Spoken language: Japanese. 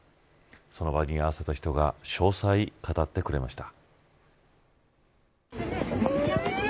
その場に居合わせた人が詳細を語ってくれました。